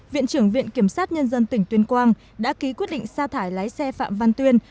viện trưởng viện kiểm sát nhân dân tỉnh tuyên quang đã ký quyết định xa thải lái xe phạm văn tuyên